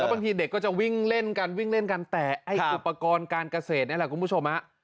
บางทีเด็กก็จะวิ่งเล่นกันวิ่งเล่นกันแต่ไอ้อุปกรณ์การเกษตรนี่แหละคุณผู้ชมฮะ